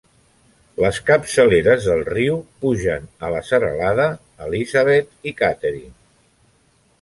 Les capçaleres del riu pugen a la serralada Elizabeth i Catherine.